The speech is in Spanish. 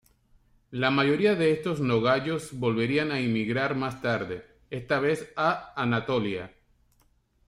La mayoría de estos nogayos volverían a emigrar más tarde, esta vez a Anatolia.